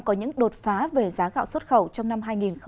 có những đột phá về giá gạo xuất khẩu trong năm hai nghìn hai mươi